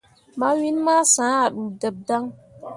Mawin ma sã ah ɗuudeb dan.